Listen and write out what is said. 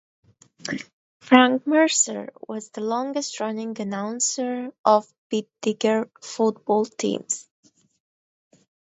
Frank Mercer was the longest running announcer of Beetdigger football teams.